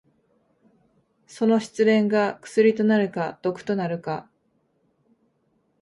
その失恋が薬となるか毒となるか。